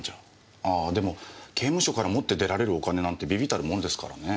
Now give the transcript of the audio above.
ああでも刑務所から持って出られるお金なんて微々たるもんですからねぇ。